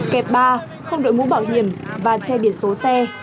kẹp ba không đội mũ bảo hiểm và che biển số xe